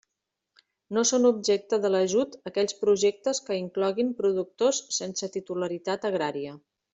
No són objecte de l'ajut aquells projectes que incloguin productors sense titularitat agrària.